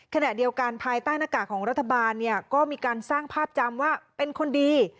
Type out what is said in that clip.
ขณะเดียวกันภายใต้หน้ากากของรัฐบาลเนี่ยก็มีการสร้างภาพจำว่าเป็นคนดี